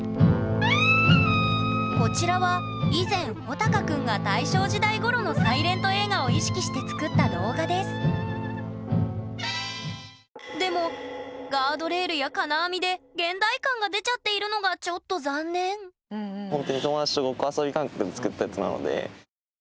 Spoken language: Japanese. こちらは以前ほたかくんが大正時代ごろのサイレント映画を意識して作った動画ですでもガードレールや金網で現代感が出ちゃっているのがちょっと残念うんうん。